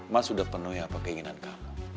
mas sudah penuh ya apa keinginan kamu